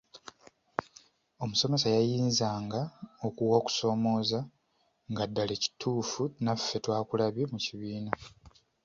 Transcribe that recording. Omusomesa yayinzanga okuwa okusoomooza nga ddala kituufu naffe twakulabye mu kibiina.